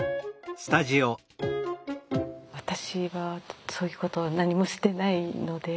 私はそういうことは何もしてないので。